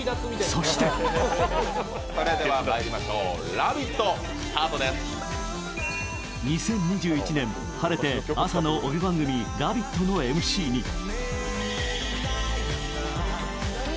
そして２０２１年、晴れて朝の帯番組、「ラヴィット！」のＭＣに。